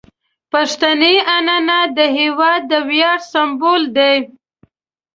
پښتني عنعنات د هیواد د ویاړ سمبول دي.